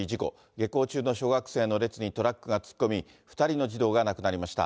下校中の小学生の列にトラックが突っ込み、２人の児童が亡くなりました。